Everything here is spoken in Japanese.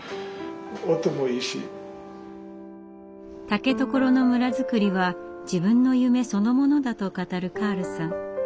竹所の村づくりは自分の夢そのものだと語るカールさん。